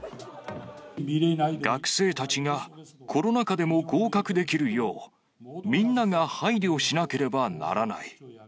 学生たちがコロナ禍でも合格できるよう、みんなが配慮をしなければならない。